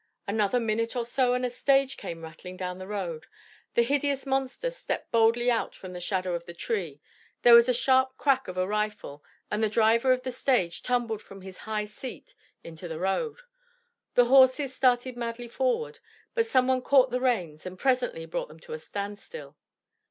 Another minute or so and a stage came rattling down the road, the hideous monster stepped boldly out from the shadow of the tree, there was the sharp crack of a rifle, and the driver of the stage tumbled from his high seat into the road. The horses started madly forward, but some one caught the reins and presently brought them to a standstill.